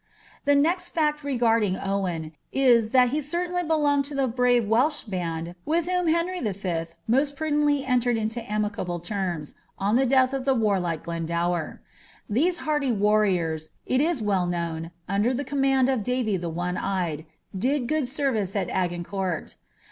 The next fact regarding Owen, is, that he certainly belonged to th* brmve Welsh band with whom Henry V. most prudently entered into ■tnicable terms, on the death of the warlike Glendower. These hardy warriors, it is well known, under the command of Dary the One nyed,' did good service at Agincourt.